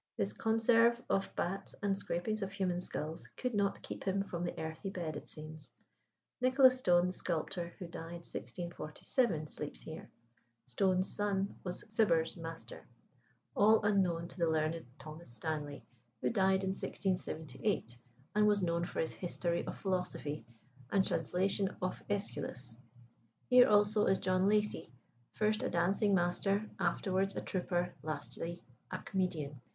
His conserve of bats and scrapings of human skulls could not keep him from the earthy bed it seems. Nicholas Stone, the sculptor, who died 1647, sleeps here (Stone's son was Cibber's master), all unknown to the learned Thomas Stanley, who died in 1678, and was known for his History of Philosophy and translation of Æschylus. Here, also, is John Lacey first a dancing master, afterwards a trooper, lastly a comedian.